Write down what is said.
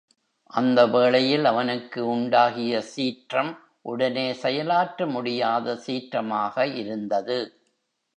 அந்த வேளையில் அவனுக்கு உண்டாகிய சீற்றம் உடனே செயலாற்ற முடியாத சீற்றமாக இருந்தது.